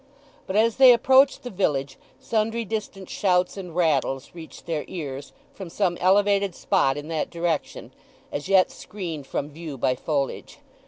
But as they approached the village sundry distant shouts and rattles reached their ears from some elevated spot in that direction, as yet screened from view by foliage.